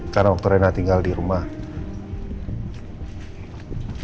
karena wakturena tinggal di rumahnya